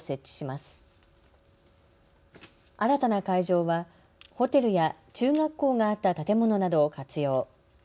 新たな会場はホテルや中学校があった建物などを活用。